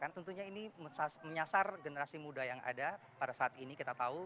tentunya ini menyasar generasi muda yang ada pada saat ini kita tahu